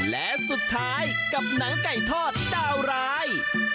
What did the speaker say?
และสุดท้ายกับหนังไก่ทอดดาวร้าย